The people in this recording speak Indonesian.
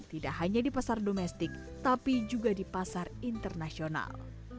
tidak hanya di pasar domestik tapi juga di pasar internasional